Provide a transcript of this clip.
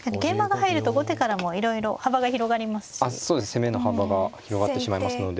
攻めの幅が広がってしまいますので。